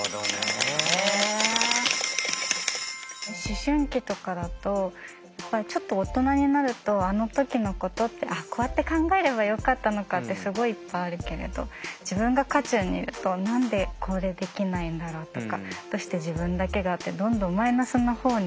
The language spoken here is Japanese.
思春期とかだとちょっと大人になるとあの時のことってああこうやって考えればよかったのかってすごいいっぱいあるけれど自分が渦中にいると何でこれできないんだろうとかどうして自分だけがってどんどんマイナスの方に行っちゃいますよね。